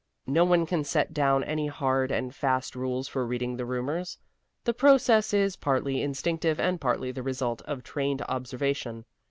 No one can set down any hard and fast rules for reading the rumors. The process is partly instinctive and partly the result of trained observation.